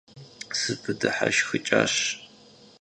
СыпыдыхьэшхыкӀащ.